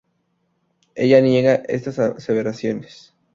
Ella niega estas aseveraciones.